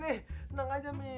tenang aja mi